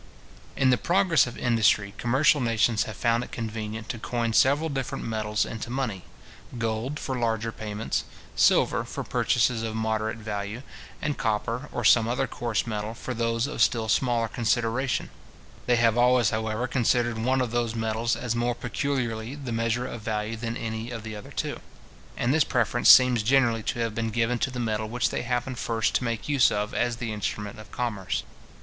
In the progress of industry, commercial nations have found it convenient to coin several different metals into money; gold for larger payments, silver for purchases of moderate value, and copper, or some other coarse metal, for those of still smaller consideration, They have always, however, considered one of those metals as more peculiarly the measure of value than any of the other two; and this preference seems generally to have been given to the metal which they happen first to make use of as the instrument of commerce.